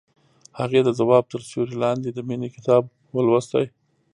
هغې د خوب تر سیوري لاندې د مینې کتاب ولوست.